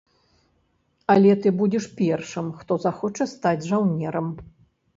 Але ты будзеш першым, хто захоча стаць жаўнерам.